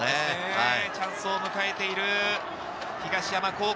チャンスを迎えている東山高校。